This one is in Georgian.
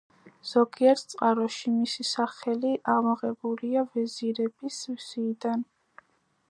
ზოგიერთ წყაროში მისი სახელი ამოღებულია ვეზირების სიიდან.